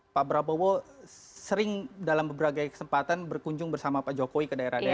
pak prabowo sering dalam beberapa kesempatan berkunjung bersama pak jokowi ke daerah daerah